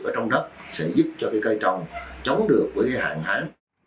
ở trong đất sẽ giúp cho cây trồng chống được hạn hán